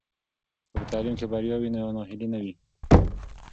که په تعلیم کې بریا وي نو ناهیلي نه وي.